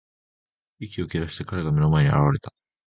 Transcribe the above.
息を切らして、彼が目の前に現れた。